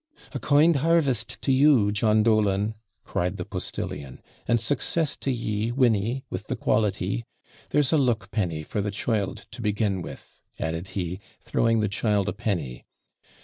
'A kind harvest to you, John Dolan,' cried the postillion, 'and success to ye, Winny, with the quality. There's a luck penny for the child to begin with,' added he, throwing the child a penny.